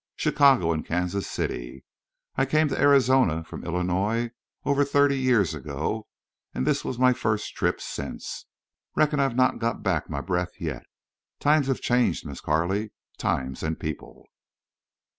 Chicago an' Kansas City. I came to Arizona from Illinois over thirty years ago. An' this was my first trip since. Reckon I've not got back my breath yet. Times have changed, Miss Carley. Times an' people!"